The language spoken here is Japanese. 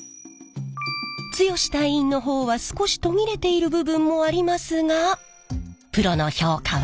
剛隊員の方は少し途切れている部分もありますがプロの評価は？